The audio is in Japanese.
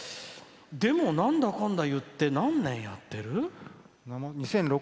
でも、なんだかんだいって何年やってる？